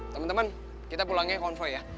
temen temen kita pulangnya konvoi ya